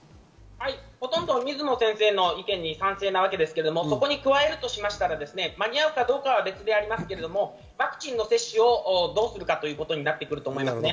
ほとんど水野先生に賛成なわけで、そこに加えると間に合うかどうかは別に、ワクチンの接種をどうするかということになってくるかと思います。